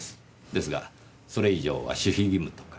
ですがそれ以上は守秘義務とか。